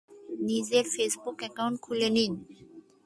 নিজের Facebook account খুলে নিন।